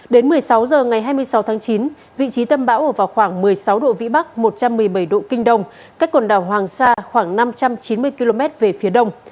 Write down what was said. đến một mươi sáu h ngày hai mươi sáu tháng chín vị trí tâm bão ở vào khoảng một mươi sáu độ vĩ bắc một trăm một mươi bảy độ kinh đông cách quần đảo hoàng sa khoảng năm trăm chín mươi km về phía đông